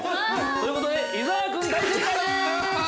◆ということで、伊沢君、大正解です！